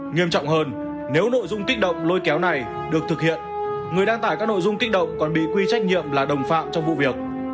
nghiêm trọng hơn nếu nội dung kích động lôi kéo này được thực hiện người đăng tải các nội dung kích động còn bị quy trách nhiệm là đồng phạm trong vụ việc